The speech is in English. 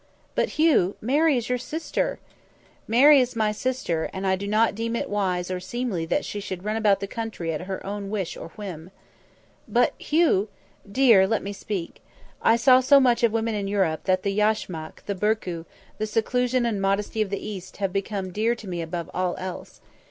"But, Hugh, Mary is your sister!" "Mary is my sister, and I do not deem it wise or seemly that she should run about the country at her own wish or whim." "But, Hugh, " "Dear, let me speak. I saw so much of woman in Europe that the yashmak, the barku, the seclusion and modesty of the East have become dear to me above all else.